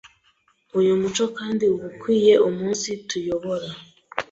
Uyu muco kandi uba ukwiye umunsituyobora,